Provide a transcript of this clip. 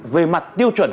về mặt tiêu chuẩn